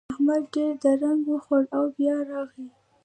احمد ډېر درنګ وخوړ او بيا راغی.